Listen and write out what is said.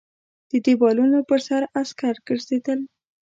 د دېوالونو پر سر عسکر ګرځېدل.